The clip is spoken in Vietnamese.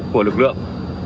của lực lượng